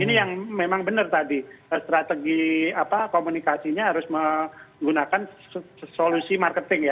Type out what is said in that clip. ini yang memang benar tadi strategi komunikasinya harus menggunakan solusi marketing ya